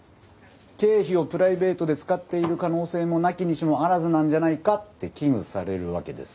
経費をプライベートで使っている可能性もなきにしもあらずなんじゃないかって危惧されるわけですよ。